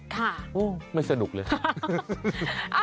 ค่ะค่ะไม่สนุกเลยค่ะค่ะค่ะค่ะ